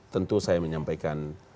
tentu saya menyampaikan